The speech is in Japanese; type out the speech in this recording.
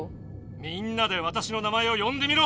みんなでわたしの名前をよんでみろ！